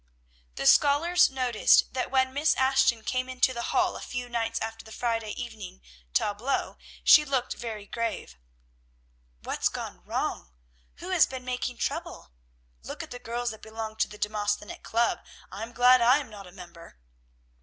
The scholars noticed that when Miss Ashton came into the hall a few nights after the Friday evening tableaux she looked very grave. "What's gone wrong? Who has been making trouble? Look at the girls that belong to the Demosthenic Club! I'm glad I am not a member!"